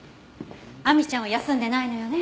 亜美ちゃんは休んでないのよね？